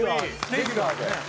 レギュラーで。